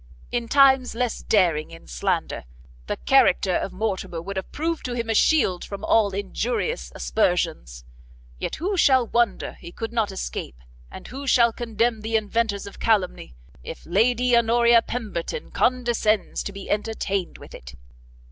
In times less daring in slander, the character of Mortimer would have proved to him a shield from all injurious aspersions; yet who shall wonder he could not escape, and who shall contemn the inventors of calumny, if Lady Honoria Pemberton condescends to be entertained with it?"